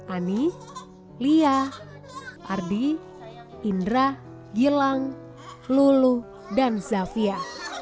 ani lia ardi indra gilang lulu dan zafia